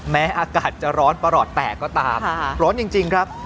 อากาศจะร้อนประหลอดแตกก็ตามร้อนจริงครับ